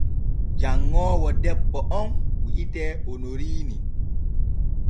Janŋoowo debbo on wi’etee Onoriini.